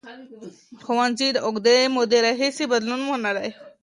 ښوونځي د اوږدې مودې راهیسې بدلون منلی و.